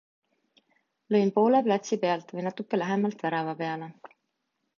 Lõin poole platsi pealt või natuke lähemalt värava peale.